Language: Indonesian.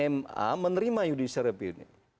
ma menerima yudhishtirah pihak